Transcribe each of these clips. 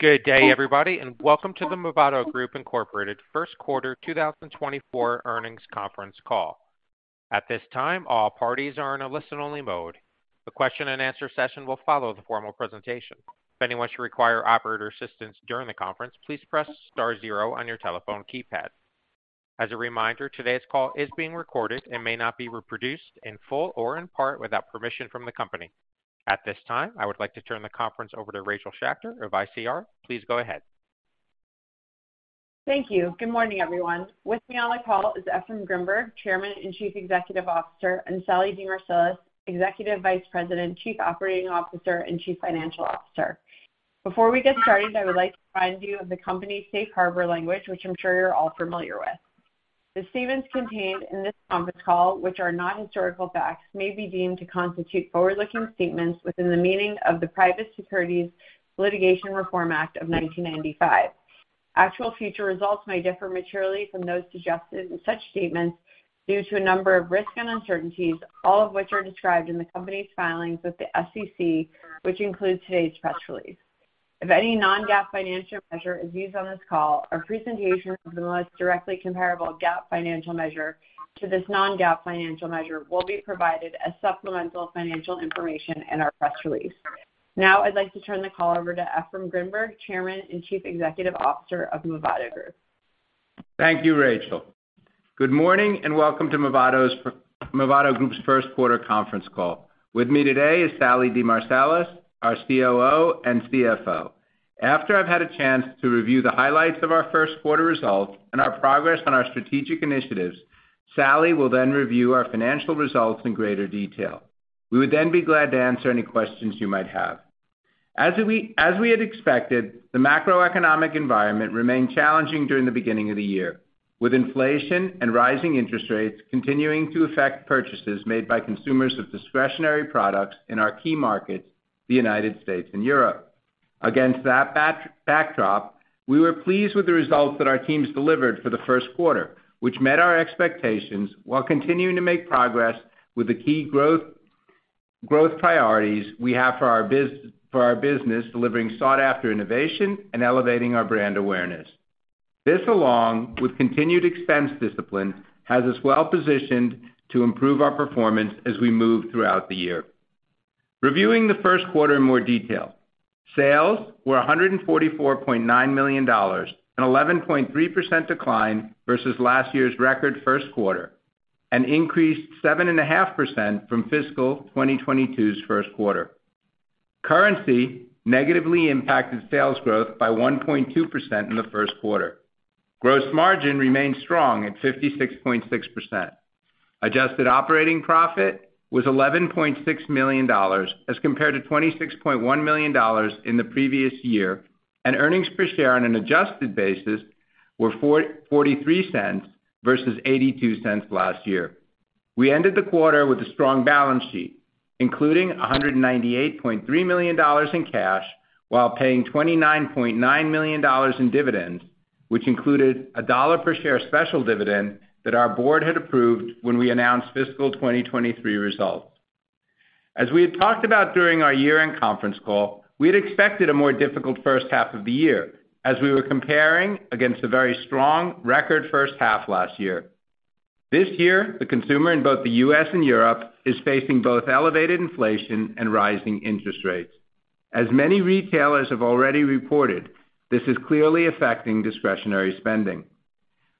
Good day, everybody, and welcome to the Movado Group, Inc. First Quarter 2024 earnings conference call. At this time, all parties are in a listen-only mode. The question and answer session will follow the formal presentation. If anyone should require operator assistance during the conference, please press star zero on your telephone keypad. As a reminder, today's call is being recorded and may not be reproduced in full or in part without permission from the company. At this time, I would like to turn the conference over to Rachel Schacter of ICR. Please go ahead. Thank you. Good morning, everyone. With me on the call is Efraim Grinberg, Chairman and Chief Executive Officer, and Sallie DeMarsilis, Executive Vice President, Chief Operating Officer, and Chief Financial Officer. Before we get started, I would like to remind you of the company's safe harbor language, which I'm sure you're all familiar with. The statements contained in this conference call, which are not historical facts, may be deemed to constitute forward-looking statements within the meaning of the Private Securities Litigation Reform Act of 1995. Actual future results may differ materially from those suggested in such statements due to a number of risks and uncertainties, all of which are described in the company's filings with the SEC, which include today's press release. If any non-GAAP financial measure is used on this call, a presentation of the most directly comparable GAAP financial measure to this non-GAAP financial measure will be provided as supplemental financial information in our press release. I'd like to turn the call over to Efraim Grinberg, Chairman and Chief Executive Officer of Movado Group. Thank you, Rachel. Good morning, welcome to Movado Group's first quarter conference call. With me today is Sallie DeMarsilis, our COO and CFO. After I've had a chance to review the highlights of our first quarter results and our progress on our strategic initiatives, Sallie will then review our financial results in greater detail. We would be glad to answer any questions you might have. As we had expected, the macroeconomic environment remained challenging during the beginning of the year, with inflation and rising interest rates continuing to affect purchases made by consumers of discretionary products in our key markets, the United States and Europe. Against that backdrop, we were pleased with the results that our teams delivered for the first quarter, which met our expectations, while continuing to make progress with the key growth priorities we have for our business, delivering sought-after innovation and elevating our brand awareness. This, along with continued expense discipline, has us well-positioned to improve our performance as we move throughout the year. Reviewing the first quarter in more detail, sales were $144.9 million, an 11.3% decline versus last year's record first quarter, and increased 7.5% from fiscal 2022's first quarter. Currency negatively impacted sales growth by 1.2% in the first quarter. Gross margin remained strong at 56.6%. Adjusted operating profit was $11.6 million, as compared to $26.1 million in the previous year. Earnings per share on an adjusted basis were $0.43 versus $0.82 last year. We ended the quarter with a strong balance sheet, including $198.3 million in cash, while paying $29.9 million in dividends, which included a $1 per share special dividend that our board had approved when we announced fiscal 2023 results. As we had talked about during our year-end conference call, we had expected a more difficult first half of the year, as we were comparing against a very strong record first half last year. This year, the consumer in both the U.S. and Europe is facing both elevated inflation and rising interest rates. As many retailers have already reported, this is clearly affecting discretionary spending.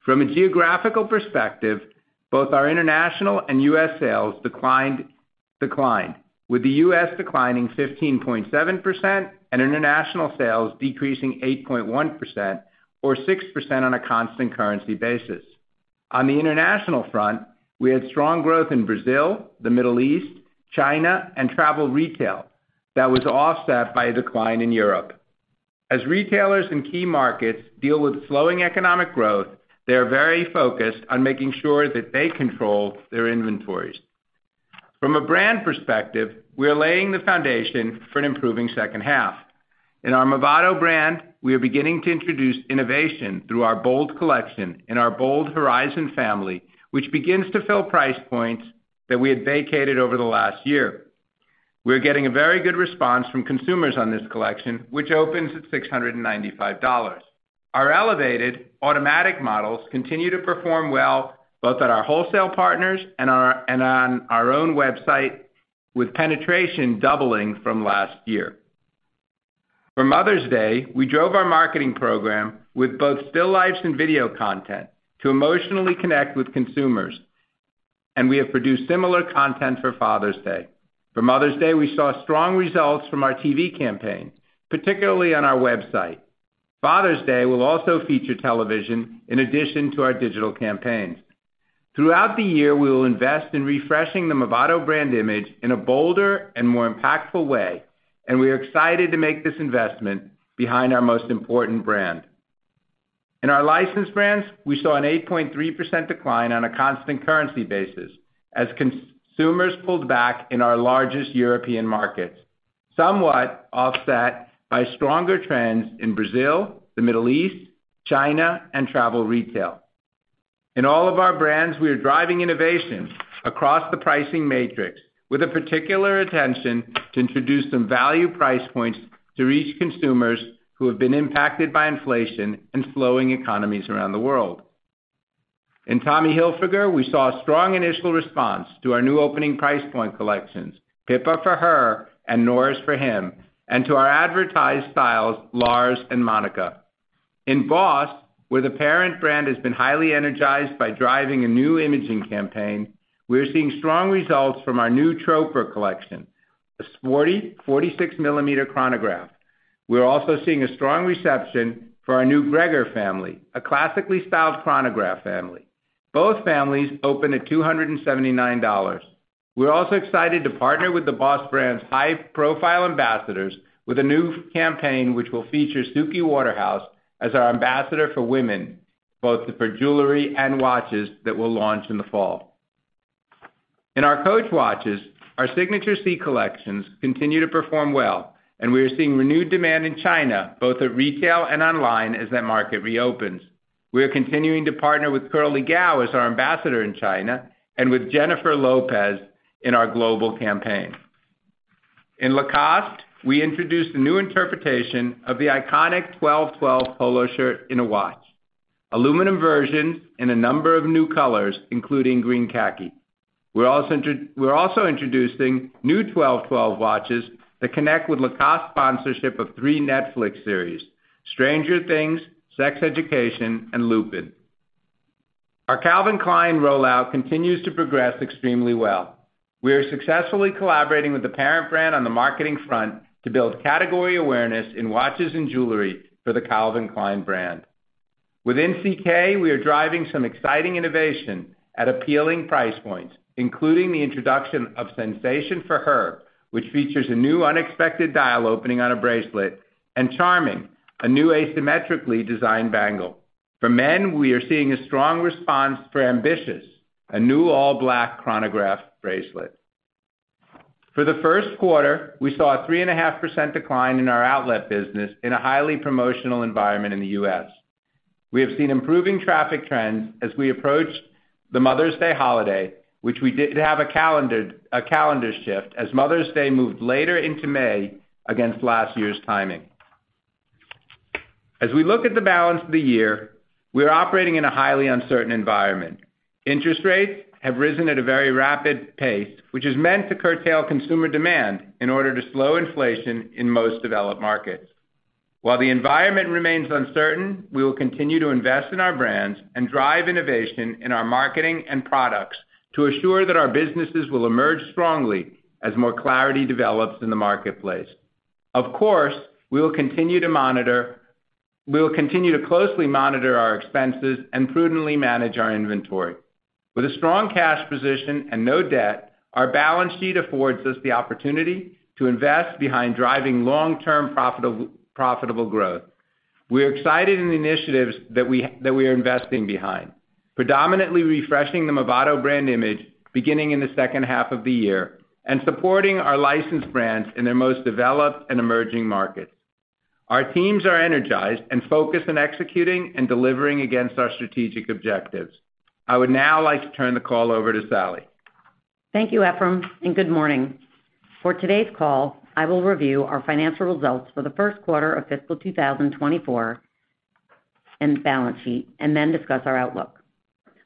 From a geographical perspective, both our international and U.S. sales declined, with the U.S. declining 15.7% and international sales decreasing 8.1%, or 6% on a constant currency basis. On the international front, we had strong growth in Brazil, the Middle East, China, and travel retail that was offset by a decline in Europe. As retailers in key markets deal with slowing economic growth, they are very focused on making sure that they control their inventories. From a brand perspective, we are laying the foundation for an improving second half. In our Movado brand, we are beginning to introduce innovation through our BOLD collection and our BOLD Horizon family, which begins to fill price points that we had vacated over the last year. We are getting a very good response from consumers on this collection, which opens at $695. Our Elevated automatic models continue to perform well, both at our wholesale partners and on our own website, with penetration doubling from last year. For Mother's Day, we drove our marketing program with both still lives and video content to emotionally connect with consumers. We have produced similar content for Father's Day. For Mother's Day, we saw strong results from our TV campaign, particularly on our website. Father's Day will also feature television in addition to our digital campaigns. Throughout the year, we will invest in refreshing the Movado brand image in a bolder and more impactful way. We are excited to make this investment behind our most important brand. In our Licensed brands, we saw an 8.3% decline on a constant currency basis as consumers pulled back in our largest European markets, somewhat offset by stronger trends in Brazil, the Middle East, China, and travel retail. In all of our brands, we are driving innovation across the pricing matrix, with a particular attention to introduce some value price points to reach consumers who have been impacted by inflation and slowing economies around the world. In Tommy Hilfiger, we saw a strong initial response to our new opening price point collections, Pippa for her and Norris for him, and to our advertised styles, Lars and Monica. In Boss, where the parent brand has been highly energized by driving a new imaging campaign, we are seeing strong results from our new Troper collection, a sporty 46 mm chronograph. We are also seeing a strong reception for our new Gregor family, a classically styled chronograph family. Both families open at $279. We're also excited to partner with the Boss brand's high-profile ambassadors with a new campaign, which will feature Suki Waterhouse as our ambassador for women, both for jewelry and watches, that will launch in the fall. In our Coach watches, our signature C collections continue to perform well, and we are seeing renewed demand in China, both at retail and online, as that market reopens. We are continuing to partner with Luo Yizhou as our ambassador in China, and with Jennifer Lopez in our global campaign. In Lacoste, we introduced a new interpretation of the iconic 12.12 polo shirt in a watch, aluminum versions in a number of new colors, including green khaki. We're also introducing new 12.12 watches that connect with Lacoste sponsorship of three Netflix series, Stranger Things, Sex Education, and Lupin. Our Calvin Klein rollout continues to progress extremely well. We are successfully collaborating with the parent brand on the marketing front to build category awareness in watches and jewelry for the Calvin Klein brand. Within CK, we are driving some exciting innovation at appealing price points, including the introduction of Sensation for Her, which features a new, unexpected dial opening on a bracelet, and Charming, a new asymmetrically designed bangle. For men, we are seeing a strong response for Ambitious, a new all-black chronograph bracelet. For the first quarter, we saw a 3.5% decline in our Outlet business in a highly promotional environment in the U.S. We have seen improving traffic trends as we approach the Mother's Day holiday, which we did have a calendar shift as Mother's Day moved later into May against last year's timing. As we look at the balance of the year, we are operating in a highly uncertain environment. Interest rates have risen at a very rapid pace, which is meant to curtail consumer demand in order to slow inflation in most developed markets. While the environment remains uncertain, we will continue to invest in our brands and drive innovation in our marketing and products to assure that our businesses will emerge strongly as more clarity develops in the marketplace. Of course, we will continue to closely monitor our expenses and prudently manage our inventory. With a strong cash position and no debt, our balance sheet affords us the opportunity to invest behind driving long-term profitable growth. We are excited in the initiatives that we are investing behind, predominantly refreshing the Movado brand image beginning in the second half of the year, and supporting our licensed brands in their most developed and emerging markets. Our teams are energized and focused on executing and delivering against our strategic objectives. I would now like to turn the call over to Sallie. Thank you, Efraim. Good morning. For today's call, I will review our financial results for the first quarter of fiscal 2024 and balance sheet, and then discuss our outlook.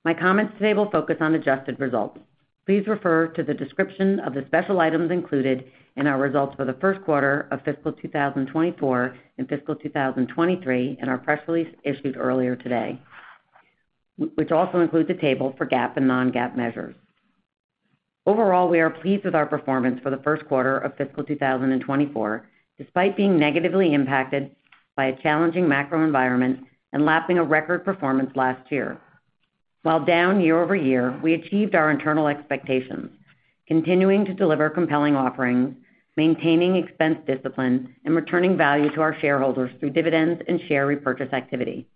My comments today will focus on adjusted results. Please refer to the description of the special items included in our results for the first quarter of fiscal 2024 and fiscal 2023 in our press release issued earlier today, which also includes a table for GAAP and non-GAAP measures. Overall, we are pleased with our performance for the first quarter of fiscal 2024, despite being negatively impacted by a challenging macro environment and lapping a record performance last year. While down year-over-year, we achieved our internal expectations, continuing to deliver compelling offerings, maintaining expense discipline, and returning value to our shareholders through dividends and share repurchase activity.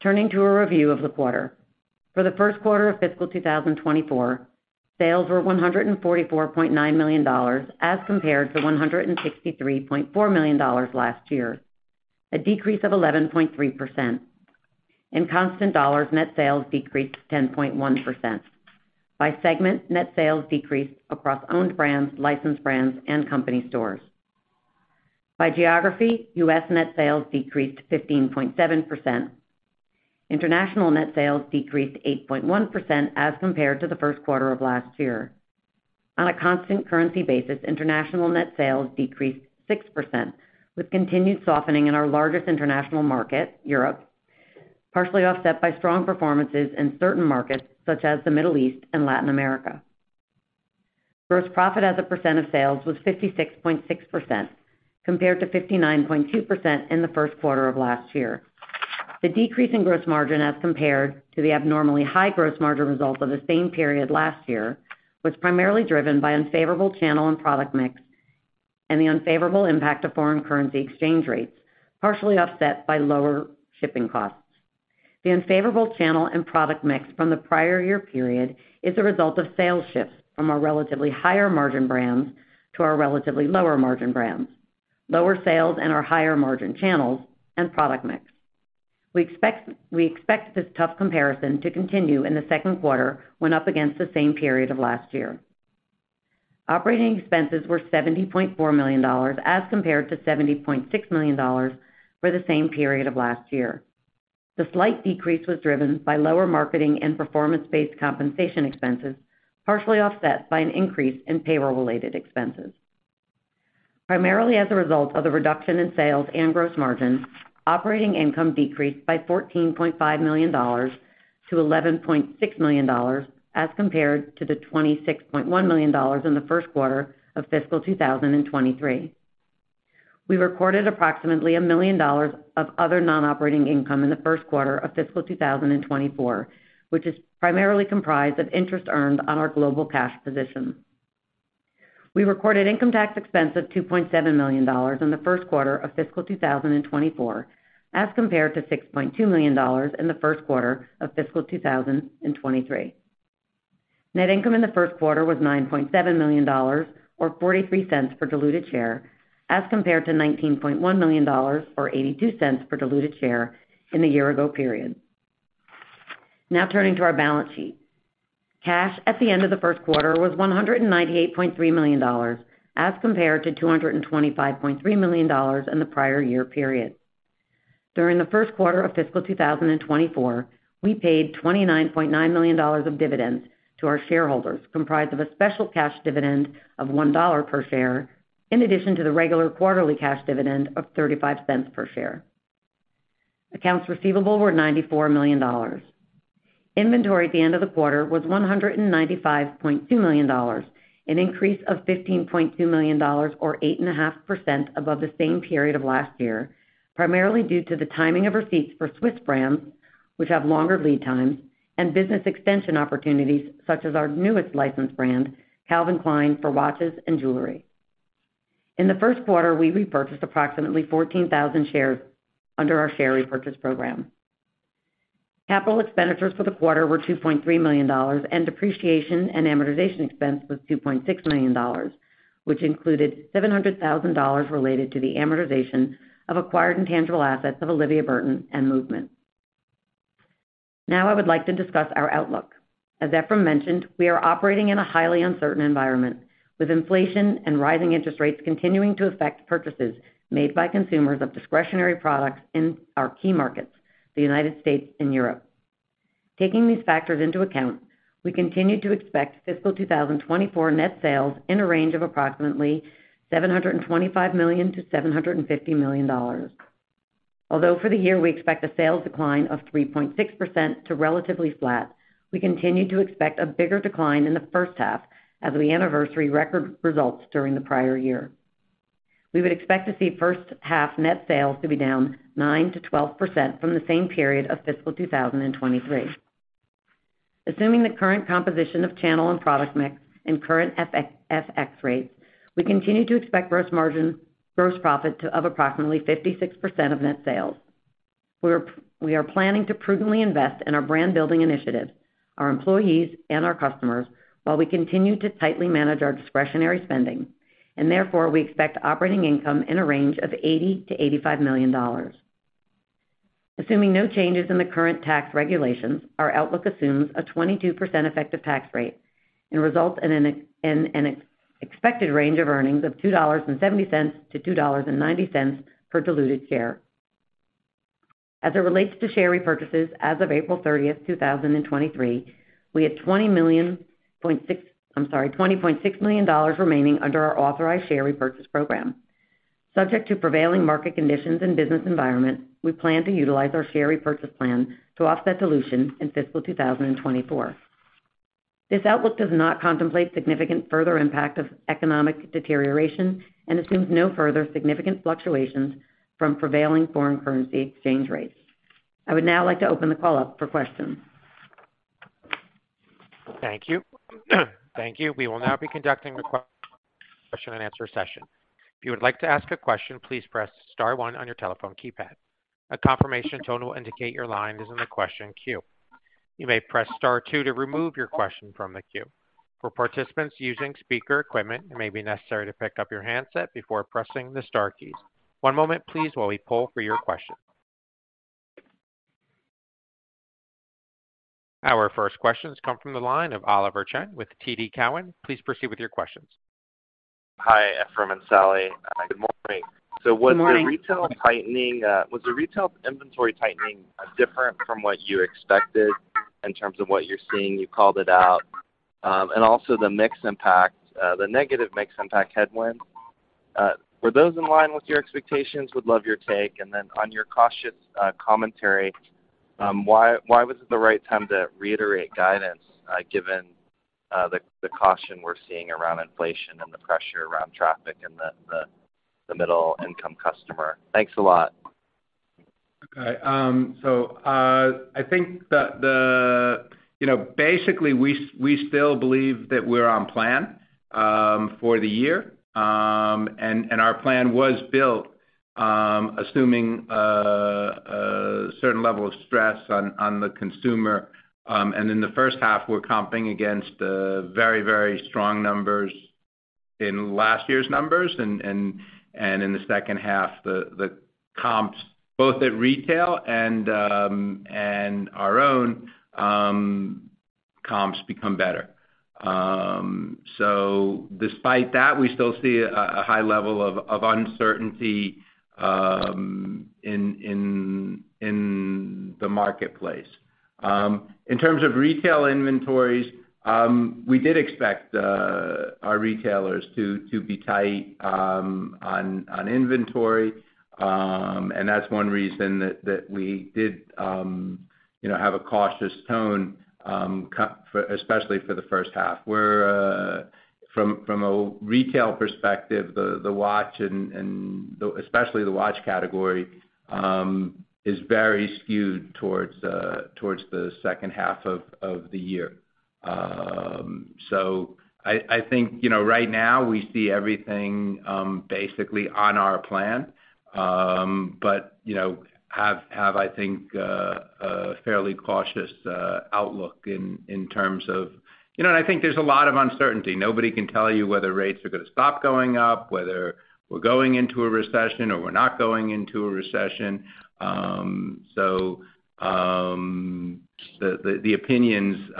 Turning to a review of the quarter. For the first quarter of fiscal 2024, sales were $144.9 million, as compared to $163.4 million last year, a decrease of 11.3%. In constant dollars, net sales decreased 10.1%. By segment, net sales decreased across owned brands, licensed brands, and company stores. By geography, U.S. net sales decreased 15.7%. International net sales decreased 8.1% as compared to the first quarter of last year. On a constant currency basis, international net sales decreased 6%, with continued softening in our largest international market, Europe, partially offset by strong performances in certain markets such as the Middle East and Latin America. Gross profit as a percent of sales was 56.6%, compared to 59.2% in the first quarter of last year. The decrease in gross margin, as compared to the abnormally high gross margin results of the same period last year, was primarily driven by unfavorable channel and product mix, and the unfavorable impact of foreign currency exchange rates, partially offset by lower shipping costs. The unfavorable channel and product mix from the prior year period is a result of sales shifts from our relatively higher-margin brands to our relatively lower-margin brands, lower sales in our higher-margin channels and product mix. We expect this tough comparison to continue in the second quarter when up against the same period of last year. Operating expenses were $70.4 million, as compared to $70.6 million for the same period of last year. The slight decrease was driven by lower marketing and performance-based compensation expenses, partially offset by an increase in payroll-related expenses. Primarily as a result of the reduction in sales and gross margins, operating income decreased by $14.5 million to $11.6 million, as compared to the $26.1 million in the first quarter of fiscal 2023. We recorded approximately a million dollars of other non-operating income in the first quarter of fiscal 2024, which is primarily comprised of interest earned on our global cash position. We recorded income tax expense of $2.7 million in the first quarter of fiscal 2024, as compared to $6.2 million in the first quarter of fiscal 2023. Net income in the first quarter was $9.7 million, or $0.43 per diluted share, as compared to $19.1 million, or $0.82 per diluted share in the year-ago period. Turning to our balance sheet. Cash at the end of the first quarter was $198.3 million, as compared to $225.3 million in the prior year period. During the first quarter of fiscal 2024, we paid $29.9 million of dividends to our shareholders, comprised of a special cash dividend of $1 per share, in addition to the regular quarterly cash dividend of $0.35 per share. Accounts receivable were $94 million. Inventory at the end of the quarter was $195.2 million, an increase of $15.2 million, or 8.5% above the same period of last year, primarily due to the timing of receipts for Swiss brands, which have longer lead times, and business extension opportunities, such as our newest licensed brand, Calvin Klein, for watches and jewelry. In the first quarter, we repurchased approximately 14,000 shares under our share repurchase program. Capital expenditures for the quarter were $2.3 million, depreciation and amortization expense was $2.6 million, which included $700,000 related to the amortization of acquired intangible assets of Olivia Burton and MVMT. I would like to discuss our outlook. As Efraim mentioned, we are operating in a highly uncertain environment, with inflation and rising interest rates continuing to affect purchases made by consumers of discretionary products in our key markets, the United States and Europe. Taking these factors into account, we continue to expect fiscal 2024 net sales in a range of approximately $725 million-$750 million. Although for the year, we expect a sales decline of 3.6% to relatively flat, we continue to expect a bigger decline in the first half as we anniversary record results during the prior year. We would expect to see first half net sales to be down 9%-12% from the same period of fiscal 2023. Assuming the current composition of channel and product mix and current FX rates, we continue to expect gross profit of approximately 56% of net sales. We are planning to prudently invest in our brand-building initiatives, our employees, and our customers, while we continue to tightly manage our discretionary spending. Therefore, we expect operating income in a range of $80 million-$85 million. Assuming no changes in the current tax regulations, our outlook assumes a 22% effective tax rate and results in an expected range of earnings of $2.70-$2.90 per diluted share. As it relates to share repurchases, as of April 30, 2023, we had $20.6 million remaining under our authorized share repurchase program. Subject to prevailing market conditions and business environment, we plan to utilize our share repurchase plan to offset dilution in fiscal 2024. This outlook does not contemplate significant further impact of economic deterioration and assumes no further significant fluctuations from prevailing foreign currency exchange rates. I would now like to open the call up for questions. Thank you. Thank you. We will now be conducting the question and answer session. If you would like to ask a question, please press star one on your telephone keypad. A confirmation tone will indicate your line is in the question queue. You may press star two to remove your question from the queue. For participants using speaker equipment, it may be necessary to pick up your handset before pressing the star keys. One moment please while we pull for your question. Our first questions come from the line of Oliver Chen with TD Cowen. Please proceed with your questions. Hi, Efraim and Sallie. Good morning. Good morning. Was the retail inventory tightening different from what you expected in terms of what you're seeing? You called it out. Also the mix impact, the negative mix impact headwind, were those in line with your expectations? Would love your take. Then on your cautious commentary, why was it the right time to reiterate guidance given the caution we're seeing around inflation and the pressure around traffic and the middle-income customer? Thanks a lot. Okay, I think that the... You know, basically, we still believe that we're on plan for the year. Our plan was built... Assuming a certain level of stress on the consumer. In the first half, we're comping against very strong numbers in last year's numbers. In the second half, the comps, both at retail and our own comps become better. Despite that, we still see a high level of uncertainty in the marketplace. In terms of retail inventories, we did expect our retailers to be tight on inventory. That's one reason that we did, you know, have a cautious tone especially for the first half. Where, from a retail perspective, the watch and the-- especially the watch category, is very skewed towards the second half of the year. So I think, you know, right now, we see everything, basically on our plan, but, you know, have, I think, a fairly cautious, outlook in terms of. You know, I think there's a lot of uncertainty. Nobody can tell you whether rates are gonna stop going up, whether we're going into a recession or we're not going into a recession. So, the opinions,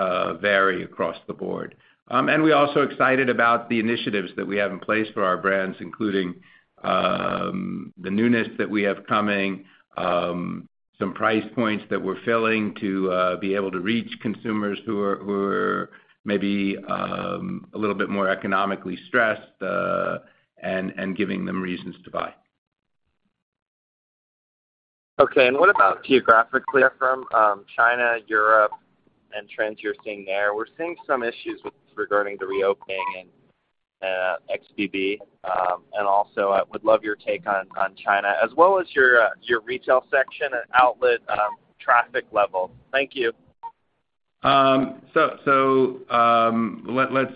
vary across the board. We're also excited about the initiatives that we have in place for our brands, including, the newness that we have coming, some price points that we're filling to be able to reach consumers who are maybe, a little bit more economically stressed, and giving them reasons to buy. Okay. What about geographically, from China, Europe, and trends you're seeing there? We're seeing some issues with regarding the reopening, XBB. Also, I would love your take on China, as well as your retail section and outlet traffic level. Thank you. Let's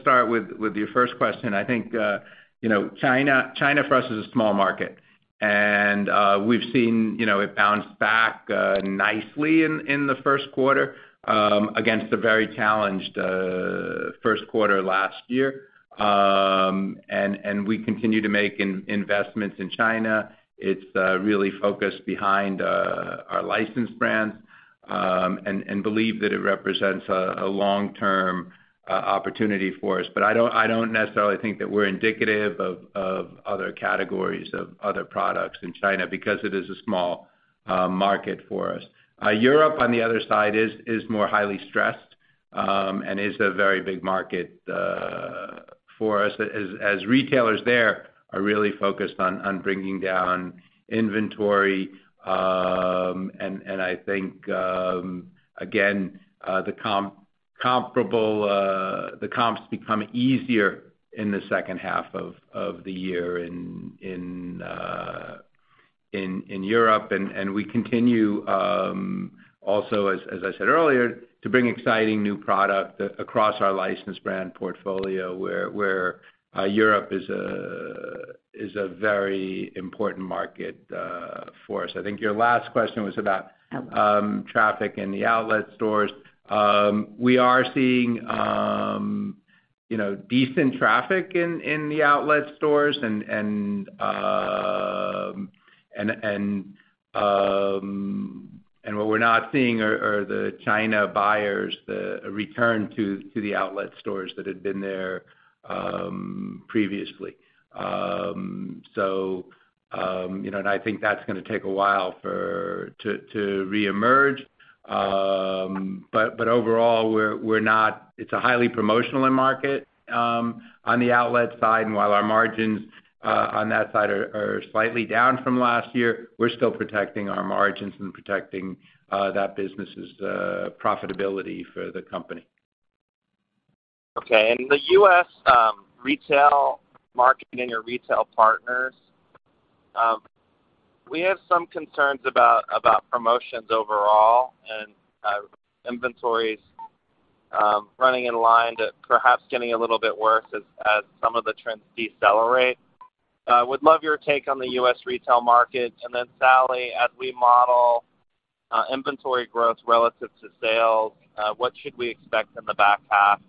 start with your first question. I think, you know, China for us is a small market. We've seen, you know, it bounce back nicely in the first quarter against a very challenged first quarter last year. We continue to make investments in China. It's really focused behind our licensed brands and believe that it represents a long-term opportunity for us. I don't necessarily think that we're indicative of other categories, of other products in China because it is a small market for us. Europe, on the other side, is more highly stressed and is a very big market for us, as retailers there are really focused on bringing down inventory. I think, again, comparable, the comps become easier in the second half of the year in Europe. We continue, also, as I said earlier, to bring exciting new product across our licensed brand portfolio, where Europe is a very important market, for us. I think your last question was about- Outlet... traffic in the outlet stores. We are seeing, you know, decent traffic in the outlet stores. What we're not seeing are the China buyers, the return to the outlet stores that had been there previously. You know, and I think that's gonna take a while for to reemerge. Overall, it's a highly promotional end market on the outlet side. While our margins on that side are slightly down from last year, we're still protecting our margins and protecting that business's profitability for the company. Okay. The U.S., retail marketing or retail partners, we have some concerns about promotions overall and, inventories, running in line to perhaps getting a little bit worse as some of the trends decelerate. Would love your take on the U.S. retail market. Then, Sallie, as we model, inventory growth relative to sales, what should we expect in the back half,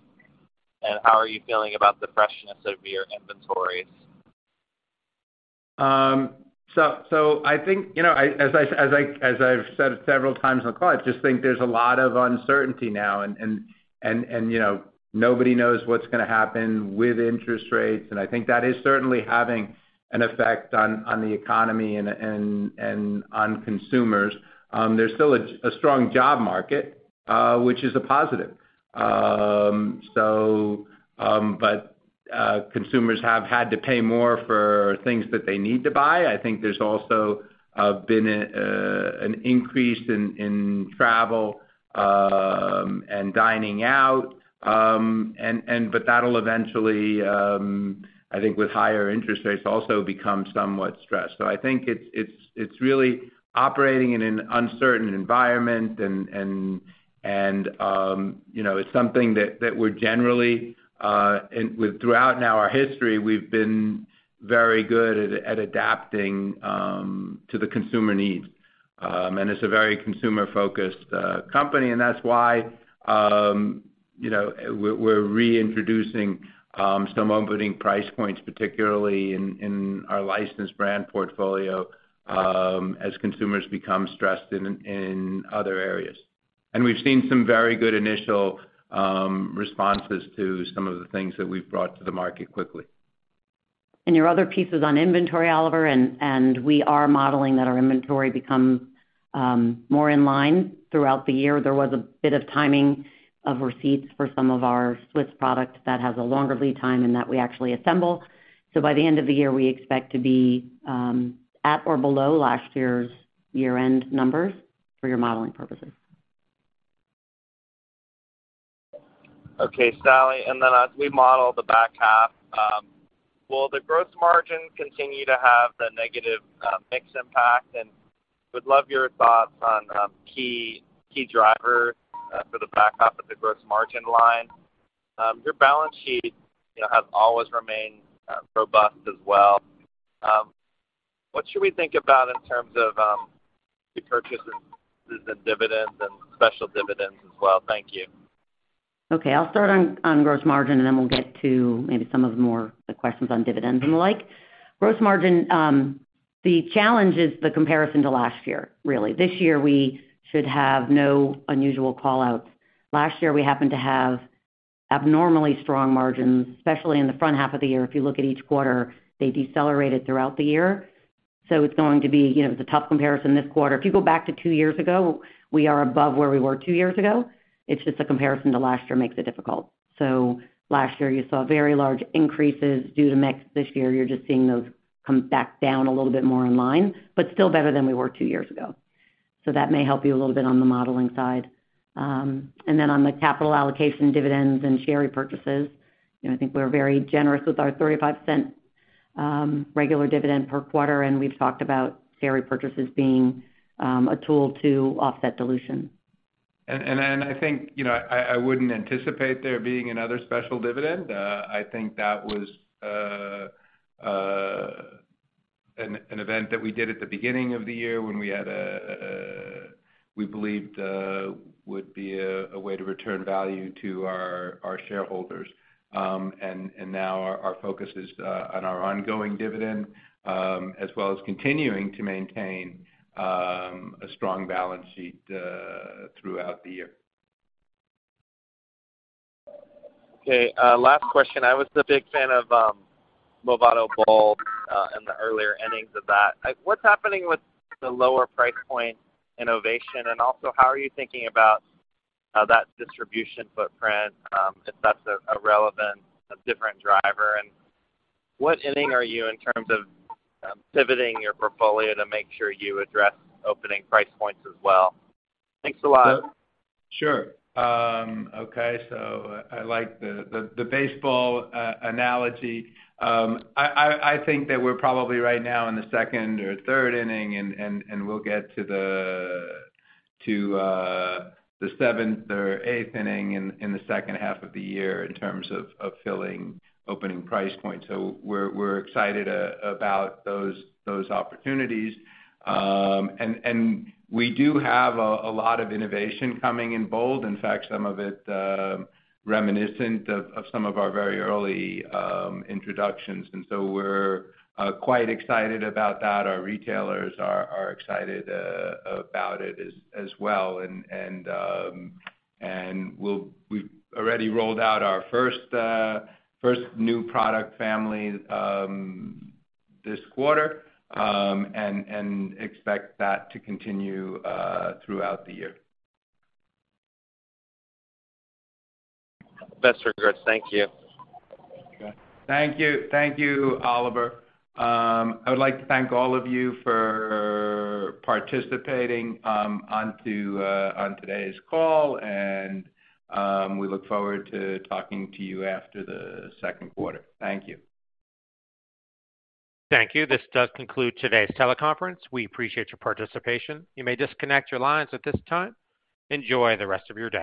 and how are you feeling about the freshness of your inventories? I think, you know, as I've said several times on the call, I just think there's a lot of uncertainty now. You know, nobody knows what's gonna happen with interest rates, and I think that is certainly having an effect on the economy and on consumers. There's still a strong job market, which is a positive. But consumers have had to pay more for things that they need to buy. I think there's also been an increase in travel and dining out. But that'll eventually, I think with higher interest rates, also become somewhat stressed. I think it's really operating in an uncertain environment. You know, it's something that we're generally, and with throughout now our history, we've been very good at adapting to the consumer needs. It's a very consumer-focused company, and that's why, you know, we're reintroducing some opening price points, particularly in our licensed brand portfolio, as consumers become stressed in other areas. We've seen some very good initial responses to some of the things that we've brought to the market quickly. Your other pieces on inventory, Oliver, and we are modeling that our inventory become more in line throughout the year. There was a bit of timing of receipts for some of our Swiss product that has a longer lead time and that we actually assemble. So by the end of the year, we expect to be at or below last year's year-end numbers for your modeling purposes. Okay, Sallie, then as we model the back half, will the gross margin continue to have the negative mix impact? Would love your thoughts on key drivers for the back half of the gross margin line. Your balance sheet, you know, has always remained robust as well. What should we think about in terms of the purchases and dividends and special dividends as well? Thank you. I'll start on gross margin, then we'll get to maybe some of the more, the questions on dividends and the like. Gross margin, the challenge is the comparison to last year, really. This year, we should have no unusual call-outs. Last year, we happened to have abnormally strong margins, especially in the front half of the year. If you look at each quarter, they decelerated throughout the year, it's going to be, you know, it's a tough comparison this quarter. If you go back to two years ago, we are above where we were two years ago. It's just the comparison to last year makes it difficult. Last year, you saw very large increases due to mix. This year, you're just seeing those come back down a little bit more in line, but still better than we were two years ago. That may help you a little bit on the modeling side. On the capital allocation, dividends, and share repurchases, you know, I think we're very generous with our $0.35 regular dividend per quarter, and we've talked about share repurchases being a tool to offset dilution. I think, you know, I wouldn't anticipate there being another special dividend. I think that was an event that we did at the beginning of the year when we believed would be a way to return value to our shareholders. Now our focus is on our ongoing dividend, as well as continuing to maintain a strong balance sheet throughout the year. Okay, last question. I was a big fan of Movado BOLD in the earlier innings of that. Like, what's happening with the lower price point innovation? Also, how are you thinking about that distribution footprint, if that's a relevant, a different driver? What inning are you in terms of pivoting your portfolio to make sure you address opening price points as well? Thanks a lot. Sure. Okay, so I like the baseball analogy. I think that we're probably right now in the second or third inning, and we'll get to the seventh or eighth inning in the second half of the year in terms of filling opening price points. We're excited about those opportunities. We do have a lot of innovation coming in BOLD. In fact, some of it reminiscent of some of our very early introductions, and so we're quite excited about that. Our retailers are excited about it as well. We've already rolled out our first new product family this quarter, and expect that to continue throughout the year. Best regards. Thank you. Okay. Thank you. Thank you, Oliver. I would like to thank all of you for participating, on today's call. We look forward to talking to you after the second quarter. Thank you. Thank you. This does conclude today's teleconference. We appreciate your participation. You may disconnect your lines at this time. Enjoy the rest of your day.